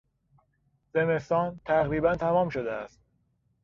زمستان تقریبا تمام شده است.